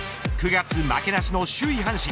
９月負けなしの首位阪神。